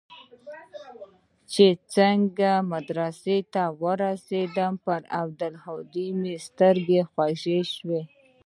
چې څنگه مدرسې ته ورسېدم پر عبدالهادي مې سترګې خوږې سوې.